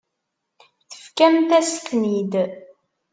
Tefkamt-as-ten-id.